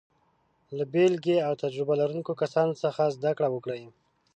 له بېلګې او تجربه لرونکو کسانو څخه زده کړه وکړئ.